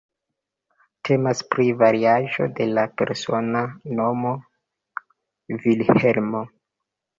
Temas pri variaĵo de la persona nomo Vilhelmo.